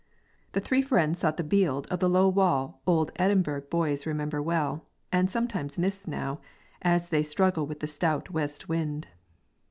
The three friends sought the bield of the low wall old Edinburgh boys remember well, and sometimes miss now, as they struggle with the stout west wind....